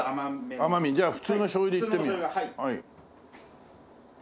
甘みじゃあ普通のしょう油でいってみよう。